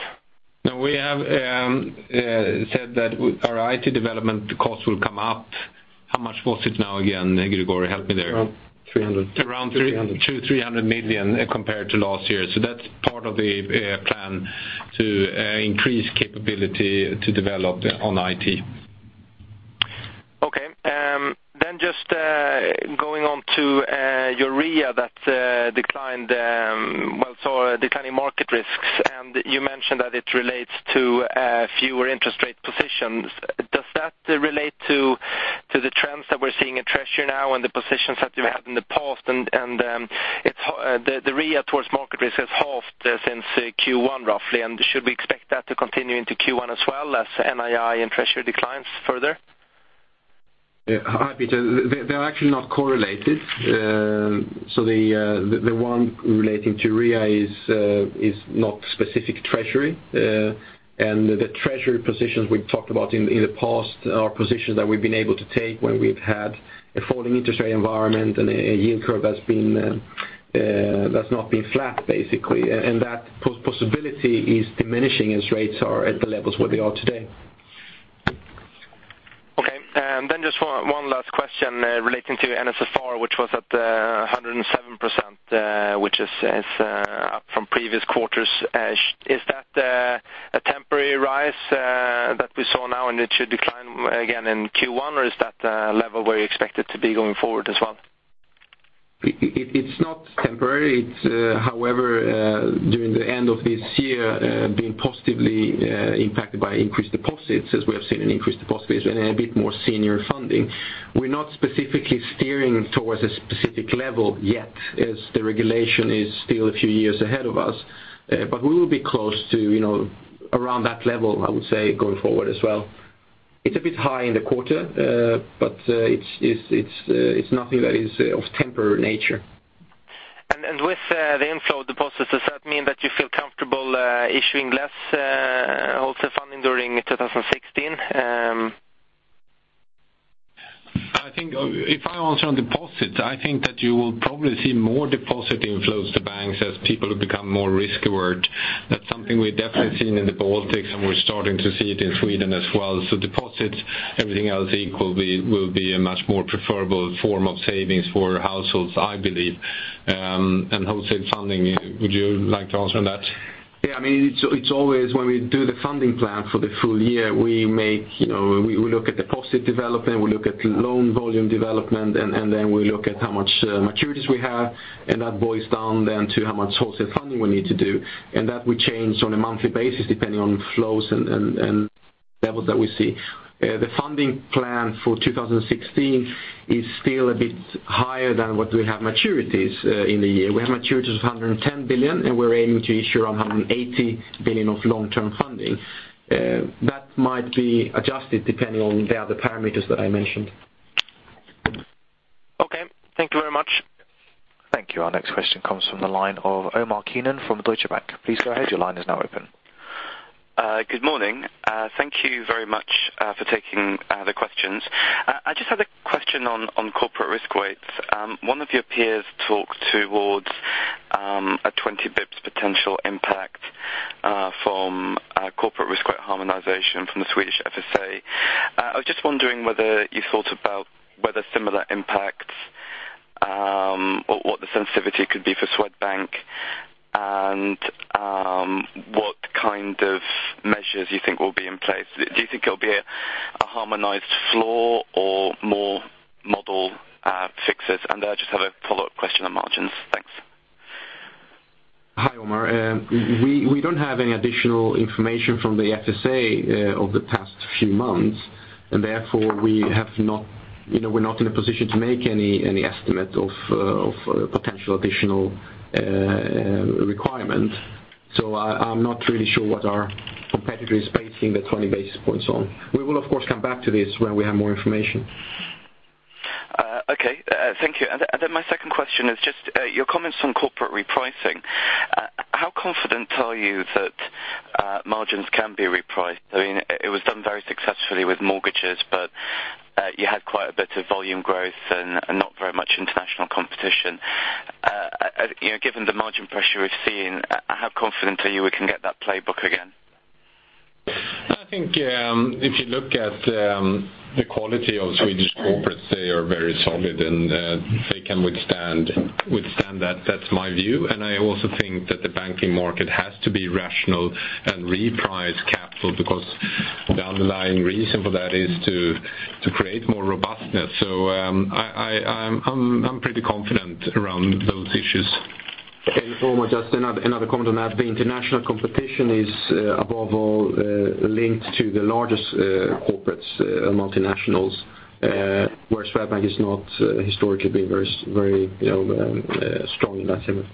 No, we have said that our IT development costs will come up. How much was it now again, Gregori, help me there. Around 300 million. Around 200 million-300 million compared to last year. So that's part of the plan to increase capability to develop on IT. Okay. Then just going on to your REA that declined, well, saw declining market risks, and you mentioned that it relates to fewer interest rate positions. Does that relate to the trends that we're seeing in treasury now and the positions that you've had in the past? And it's the REA towards market risk has halved since Q1, roughly, and should we expect that to continue into Q1 as well as NII and treasury declines further? Yeah. Hi, Peter. They, they're actually not correlated. So the one relating to REA is not specific treasury. And the treasury positions we've talked about in the past are positions that we've been able to take when we've had a falling interest rate environment and a yield curve that's been that's not been flat, basically. And that possibility is diminishing as rates are at the levels where they are today. Okay. And then just one last question relating to NSFR, which was at 107%, which is up from previous quarters. Is that a temporary rise that we saw now, and it should decline again in Q1, or is that level where you expect it to be going forward as well? It's not temporary. It's, however, during the end of this year, being positively impacted by increased deposits, as we have seen an increased deposits and a bit more senior funding. We're not specifically steering towards a specific level yet, as the regulation is still a few years ahead of us. But we will be close to, you know, around that level, I would say, going forward as well. It's a bit high in the quarter, but it's nothing that is of temporary nature. And with the inflow deposits, does that mean that you feel comfortable issuing less wholesale funding during 2016? I think if I answer on deposits, I think that you will probably see more deposit inflows to banks as people become more risk-aware. That's something we've definitely seen in the Baltics, and we're starting to see it in Sweden as well. So deposits, everything else equal, will be, will be a much more preferable form of savings for households, I believe. And wholesale funding, would you like to answer on that? Yeah, I mean, it's always when we do the funding plan for the full year, we make, you know, we look at deposit development, we look at loan volume development, and then we look at how much maturities we have, and that boils down then to how much wholesale funding we need to do. And that we change on a monthly basis, depending on flows and levels that we see. The funding plan for 2016 is still a bit higher than what we have maturities in the year. We have maturities of 110 billion, and we're aiming to issue around 80 billion of long-term funding. That might be adjusted depending on the other parameters that I mentioned. Okay. Thank you very much. Thank you. Our next question comes from the line of Omar Keenan from Deutsche Bank. Please go ahead. Your line is now open. Good morning. Thank you very much for taking the questions. I just had a question on corporate risk weights. One of your peers talked towards a 20 BPS potential impact from corporate risk weight harmonization from the Swedish FSA. I was just wondering whether you thought about whether similar impacts or what the sensitivity could be for Swedbank, and what kind of measures you think will be in place. Do you think it'll be a harmonized floor or more model fixes? And I just have a follow-up question on margins. Thanks. Hi, Omar. We don't have any additional information from the FSA over the past few months, and therefore, we have not... You know, we're not in a position to make any estimate of potential additional requirement. So I'm not really sure what our competitor is basing the 20 basis points on. We will, of course, come back to this when we have more information. Okay. Thank you. And then my second question is just your comments on corporate repricing. How confident are you that margins can be repriced? I mean, it was done very successfully with mortgages, but you had quite a bit of volume growth and not very much international competition.... you know, given the margin pressure we've seen, how confident are you we can get that playbook again? I think, if you look at the quality of Swedish corporates, they are very solid, and they can withstand that. That's my view, and I also think that the banking market has to be rational and reprice capital, because the underlying reason for that is to create more robustness. So, I'm pretty confident around those issues. Just another comment on that. The international competition is, above all, linked to the largest corporates, multinationals, where Swedbank is not historically been very, you know, strong in that segment.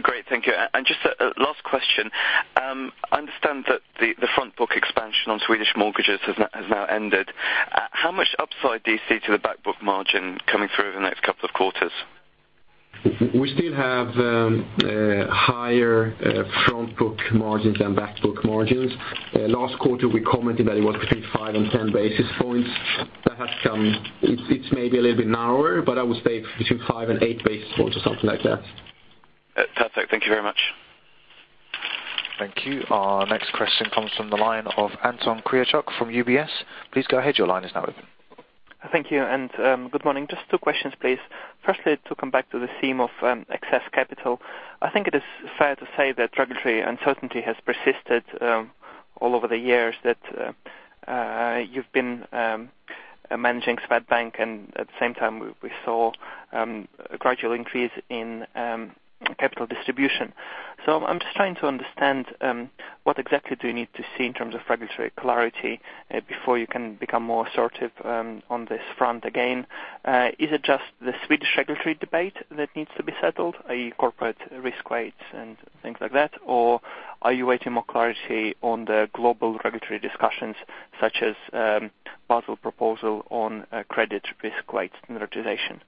Great. Thank you. And just a last question. I understand that the front book expansion on Swedish mortgages has now ended. How much upside do you see to the back book margin coming through over the next couple of quarters? We still have higher front book margins than back book margins. Last quarter, we commented that it was between 5 and 10 basis points. That has come. It's maybe a little bit narrower, but I would say between 5 and 8 basis points or something like that. Perfect. Thank you very much. Thank you. Our next question comes from the line of Anton Kryachok from UBS. Please go ahead. Your line is now open. Thank you, and, good morning. Just two questions, please. Firstly, to come back to the theme of, excess capital. I think it is fair to say that regulatory uncertainty has persisted, all over the years, that, you've been, managing Swedbank, and at the same time, we, we saw, a gradual increase in, capital distribution. So I'm just trying to understand, what exactly do you need to see in terms of regulatory clarity, before you can become more assertive, on this front again? Is it just the Swedish regulatory debate that needs to be settled, i.e., corporate risk weights and things like that, or are you waiting more clarity on the global regulatory discussions, such as, Basel proposal on, credit risk weight and amortization?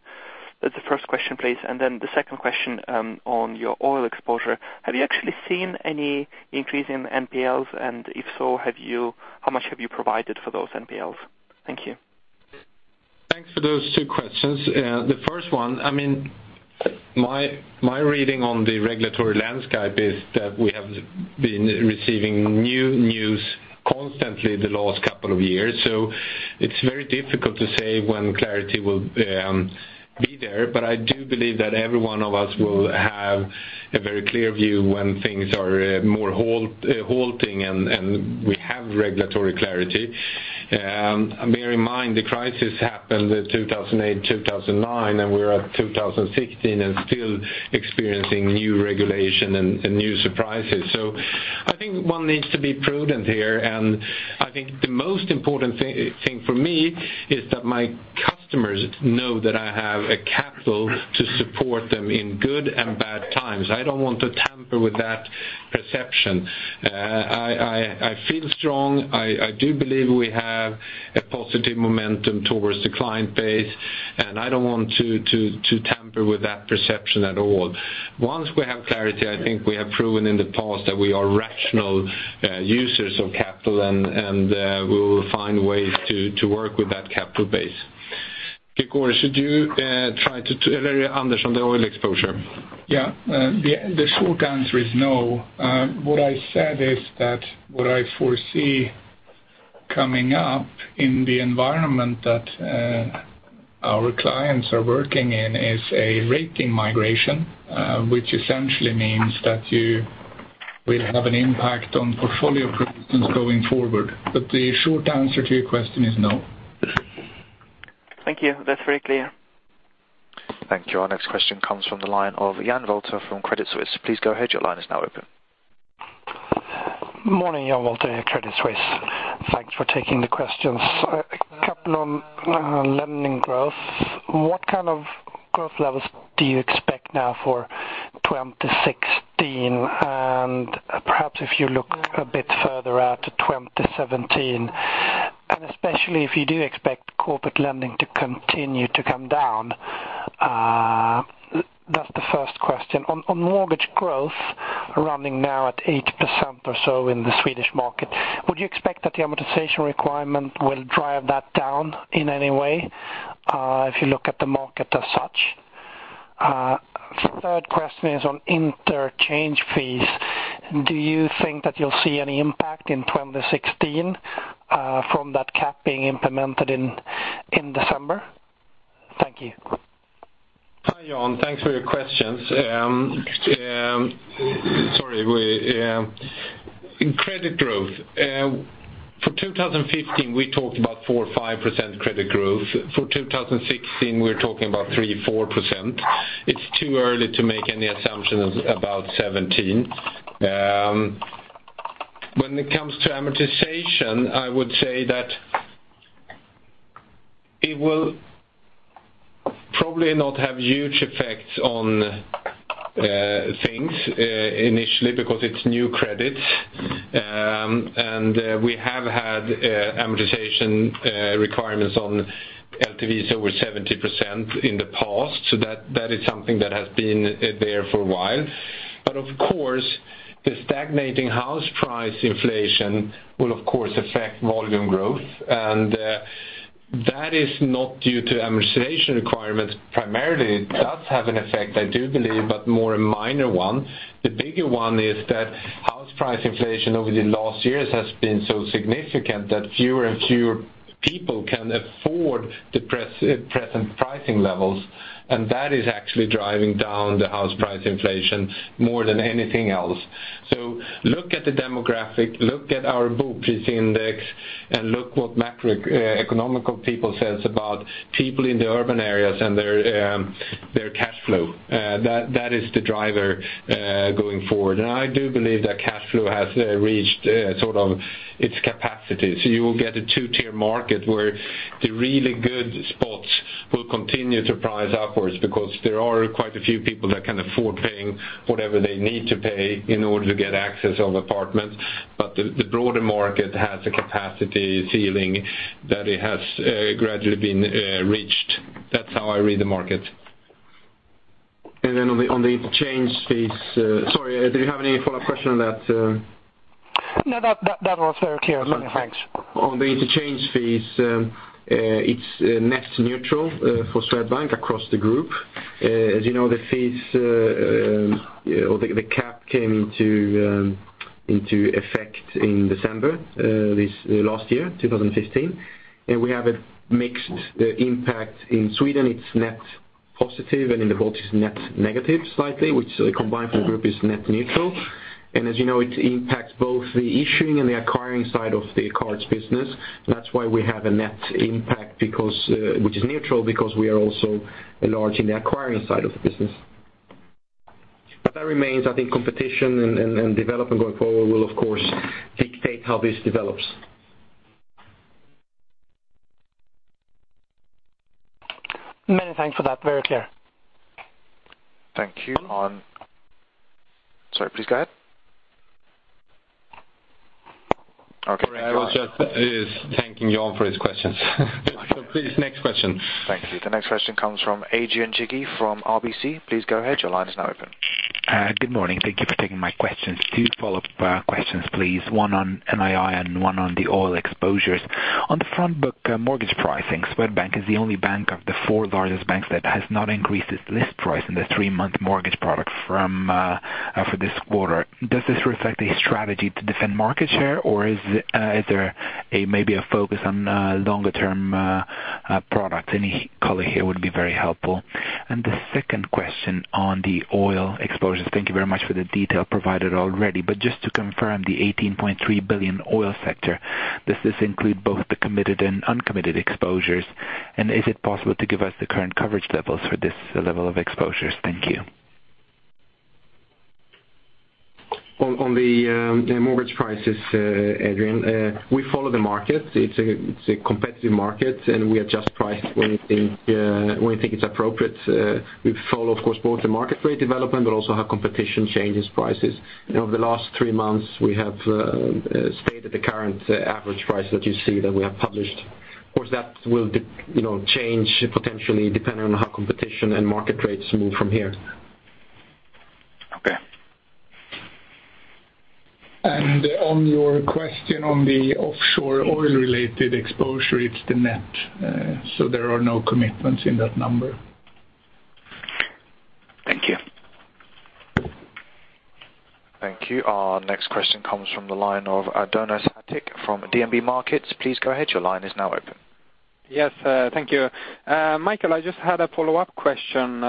That's the first question, please, and then the second question on your oil exposure. Have you actually seen any increase in NPLs? And if so, how much have you provided for those NPLs? Thank you. Thanks for those two questions. The first one, I mean, my reading on the regulatory landscape is that we have been receiving new news constantly the last couple of years, so it's very difficult to say when clarity will be there. But I do believe that every one of us will have a very clear view when things are more halting, and we have regulatory clarity. Bear in mind, the crisis happened in 2008, 2009, and we're at 2016 and still experiencing new regulation and new surprises. So I think one needs to be prudent here, and I think the most important thing for me is that my customers know that I have a capital to support them in good and bad times. I don't want to tamper with that perception. I feel strong. I do believe we have a positive momentum towards the client base, and I don't want to tamper with that perception at all. Once we have clarity, I think we have proven in the past that we are rational users of capital, and we will find ways to work with that capital base. Gregori, should you try to answer on the oil exposure? Yeah. The short answer is no. What I said is that what I foresee coming up in the environment that our clients are working in is a rating migration, which essentially means that you will have an impact on portfolio performance going forward. But the short answer to your question is no. Thank you. That's very clear. Thank you. Our next question comes from the line of Jan Wolter from Credit Suisse. Please go ahead. Your line is now open. Morning, Jan Wolter, Credit Suisse. Thanks for taking the questions. A couple on lending growth. What kind of growth levels do you expect now for 2016? And perhaps if you look a bit further out to 2017, and especially if you do expect corporate lending to continue to come down. That's the first question. On mortgage growth, running now at 8% or so in the Swedish market, would you expect that the amortization requirement will drive that down in any way, if you look at the market as such? Third question is on interchange fees. Do you think that you'll see any impact in 2016, from that cap being implemented in December? Thank you. Hi, Jan. Thanks for your questions. Sorry, we in credit growth, for 2015, we talked about 4%-5% credit growth. For 2016, we're talking about 3%-4%. It's too early to make any assumptions about 2017. When it comes to amortization, I would say that it will probably not have huge effects on things initially, because it's new credits. And we have had amortization requirements on LTVs over 70% in the past. So that is something that has been there for a while. But of course, the stagnating house price inflation will, of course, affect volume growth. And that is not due to amortization requirements. Primarily, it does have an effect, I do believe, but more a minor one. The bigger one is that house price inflation over the last years has been so significant that fewer and fewer people can afford the present pricing levels, and that is actually driving down the house price inflation more than anything else. So look at the demographic, look at our house price index, and look what macroeconomists say about people in the urban areas and their cash flow. That is the driver going forward. And I do believe that cash flow has reached sort of its capacity. So you will get a two-tier market where the really good spots will continue to price upwards because there are quite a few people that can afford paying whatever they need to pay in order to get access to apartments. But the broader market has a capacity ceiling that it has gradually been reached. That's how I read the market. And then on the, on the interchange fees. Sorry, do you have any follow-up question on that? No, that was very clear. Many thanks. On the interchange fees, it's net neutral for Swedbank across the group. As you know, the fees or the cap came into effect in December this last year, 2015, and we have a mixed impact. In Sweden, it's net positive, and in the Baltics, net negative, slightly, which combined for the group is net neutral. And as you know, it impacts both the issuing and the acquiring side of the cards business. That's why we have a net impact, because which is neutral, because we are also large in the acquiring side of the business. But that remains, I think, competition and development going forward will, of course, dictate how this develops. Many thanks for that. Very clear. Thank you. Sorry, please go ahead. Okay. I was just thanking you all for these questions. So please, next question. Thank you. The next question comes from Adrian Cighi from RBC. Please go ahead. Your line is now open. Good morning. Thank you for taking my questions. Two follow-up questions, please. One on NII and one on the oil exposures. On the front book, mortgage pricing, Swedbank is the only bank of the four largest banks that has not increased its list price in the three-month mortgage product from for this quarter. Does this reflect a strategy to defend market share, or is there maybe a focus on longer-term products? Any color here would be very helpful. And the second question on the oil exposures. Thank you very much for the detail provided already. But just to confirm the 18.3 billion oil sector, does this include both the committed and uncommitted exposures? And is it possible to give us the current coverage levels for this level of exposures? Thank you. On the mortgage prices, Adrian, we follow the market. It's a competitive market, and we adjust price when we think it's appropriate. We follow, of course, both the market rate development, but also how competition changes prices. You know, over the last three months, we have stated the current average price that you see that we have published. Of course, that will, you know, change potentially, depending on how competition and market rates move from here. Okay. On your question on the offshore oil-related exposure, it's the net, so there are no commitments in that number. Thank you. Thank you. Our next question comes from the line of, Adonis Catic from DNB Markets. Please go ahead. Your line is now open. Yes, thank you. Michael, I just had a follow-up question,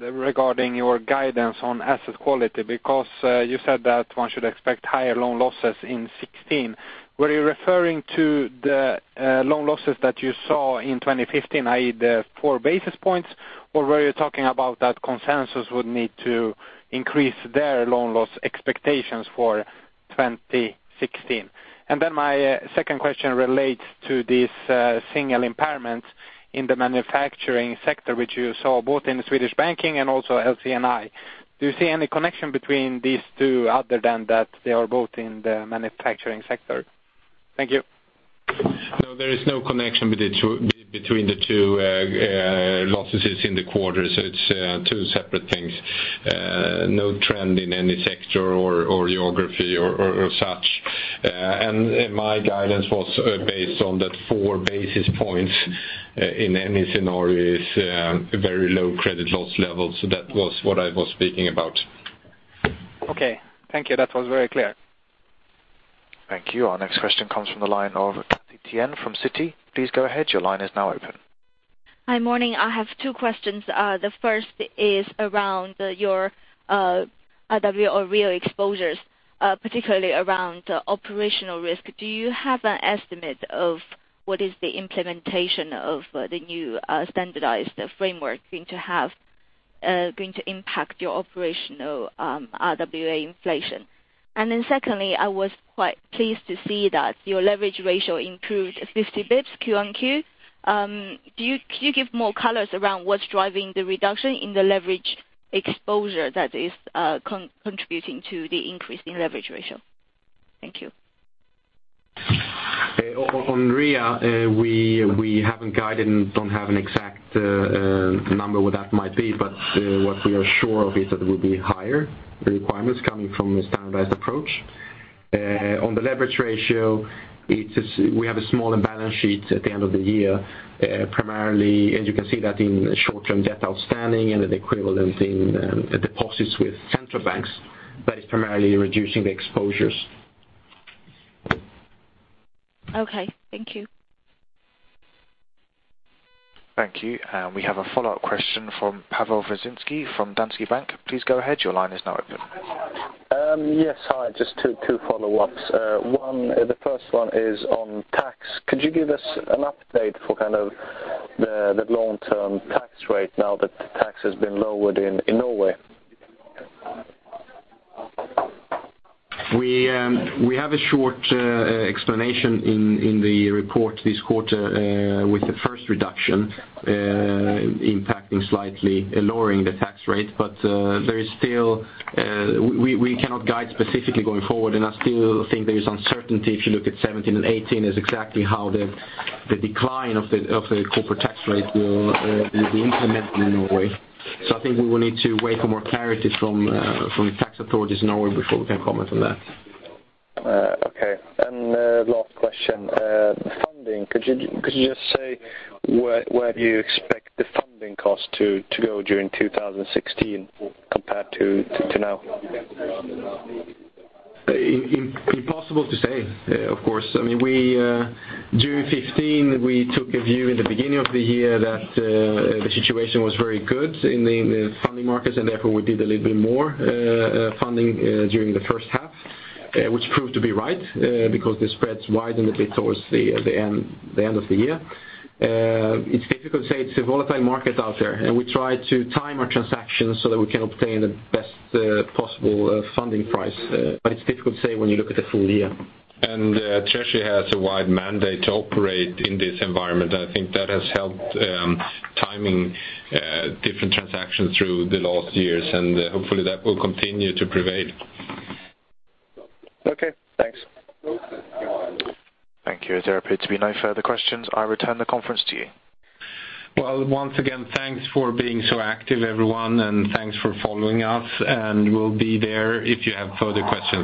regarding your guidance on asset quality, because, you said that one should expect higher loan losses in 2016. Were you referring to the, loan losses that you saw in 2015, i.e. the four basis points, or were you talking about that consensus would need to increase their loan loss expectations for 2016? And then my, second question relates to this, single impairment in the manufacturing sector, which you saw both in the Swedish banking and also LC&I. Do you see any connection between these two, other than that they are both in the manufacturing sector? Thank you. No, there is no connection between the two losses in the quarter. So it's two separate things. No trend in any sector or geography or such. And my guidance was based on that four basis points in any scenario is a very low credit loss level. So that was what I was speaking about. Okay, thank you. That was very clear. Thank you. Our next question comes from the line of Yafei Tian from Citi. Please go ahead. Your line is now open. Hi, morning. I have two questions. The first is around your RWA or REA exposures, particularly around operational risk. Do you have an estimate of what is the implementation of the new standardized framework going to have, going to impact your operational RWA inflation? And then secondly, I was quite pleased to see that your leverage ratio improved 50 basis points QoQ. Do you—can you give more colors around what's driving the reduction in the leverage exposure that is contributing to the increase in leverage ratio? Thank you. On RIA, we haven't guided and don't have an exact number what that might be, but what we are sure of is that it will be higher, the requirements coming from a standardized approach. On the leverage ratio, it's just we have a smaller balance sheet at the end of the year. Primarily, as you can see that in the short-term debt outstanding and the equivalent in deposits with central banks, that is primarily reducing the exposures. Okay, thank you. Thank you. We have a follow-up question from Pawel Dziedzic from Danske Bank. Please go ahead. Your line is now open. Yes, hi, just two follow-ups. One, the first one is on tax. Could you give us an update for kind of the long-term tax rate now that the tax has been lowered in Norway? We have a short explanation in the report this quarter, with the first reduction impacting slightly, lowering the tax rate. But there is still, we cannot guide specifically going forward, and I still think there is uncertainty if you look at 2017 and 2018, is exactly how the decline of the corporate tax rate will be implemented in Norway. So I think we will need to wait for more clarity from the tax authorities in Norway before we can comment on that. Okay. Last question. Funding, could you just say where you expect the funding cost to go during 2016 compared to now? Impossible to say, of course. I mean, we during 2015, we took a view in the beginning of the year that the situation was very good in the funding markets, and therefore, we did a little bit more funding during the first half, which proved to be right, because the spreads widened a bit towards the end of the year. It's difficult to say. It's a volatile market out there, and we try to time our transactions so that we can obtain the best possible funding price. But it's difficult to say when you look at the full year. Treasury has a wide mandate to operate in this environment. I think that has helped timing different transactions through the last years, and hopefully that will continue to prevail. Okay, thanks. Thank you. There appear to be no further questions. I return the conference to you. Well, once again, thanks for being so active, everyone, and thanks for following us, and we'll be there if you have further questions.